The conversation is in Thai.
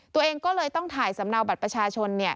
ตัวเองก็เลยต้องถ่ายสำเนาบัตรประชาชน